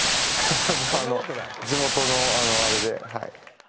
地元のあのあれではい